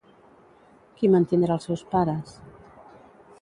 Qui mantindrà als seus pares?